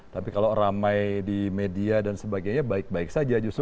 tapi kalau ramai di media dan sebagainya baik baik saja justru